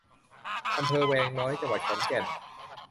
อำเภอแวงน้อย จังหวัดขอนแก่น